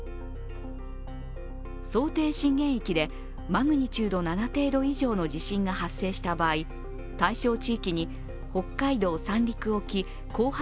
想定震源域でマグニチュード７程度以上の地震が発生した場合対象地域に北海道・三陸沖後発